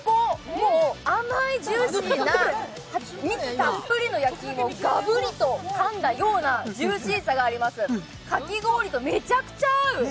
もう甘いジューシーな蜜たっぷりの焼き芋をガブリとかんだようなジューシーさがありますかき氷とめちゃくちゃ合う。